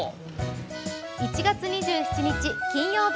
１月２７日金曜日。